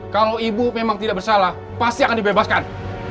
kalau ibu memang tidak bersalah pasti akan dibebaskan